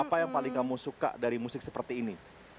apa yang paling kamu suka dari musik seperti ini